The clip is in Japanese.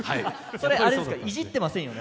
それ、いじってませんよね？